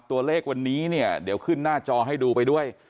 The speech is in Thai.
ตัวเลขวันนี้เนี่ยเดี๋ยวขึ้นหน้าจอให้ดูไปด้วย